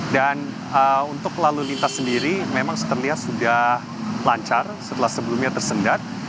dan untuk lalu lintas sendiri memang sekerlias sudah lancar setelah sebelumnya tersendat